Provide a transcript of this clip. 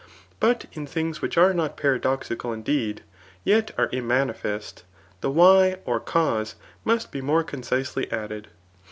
But in things which are not paradoidcal indeed, yet are immanifest, the .why or cause must be most concisely added.